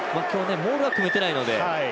モールは組めてないので。